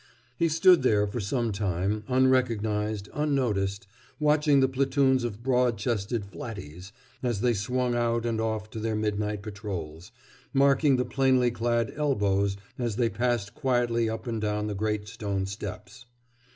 He stood there for some time, unrecognized, unnoticed, watching the platoons of broad chested "flatties" as they swung out and off to their midnight patrols, marking the plainly clad "elbows" as they passed quietly up and down the great stone steps.